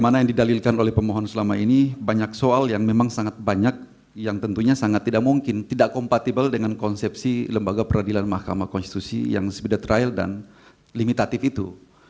karena yang didalilkan oleh pemohon selama ini banyak soal yang memang sangat banyak yang tentunya sangat tidak mungkin tidak compatible dengan konsepsi lembaga peradilan mahkamah konstitusi yang speed trial dan limitatif itu